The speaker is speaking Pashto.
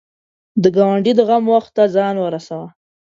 د ګاونډي د غم وخت ته ځان ورسوه